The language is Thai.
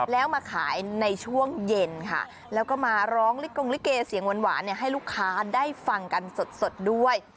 แล้วมาขายในช่วงเย็นค่ะแล้วก็มาร้องลิกงลิเกเสียงหวานให้ลูกค้าได้ฟังกันสดด้วย